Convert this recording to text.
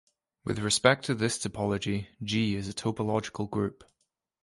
With respect to this topology, "G" is a topological group.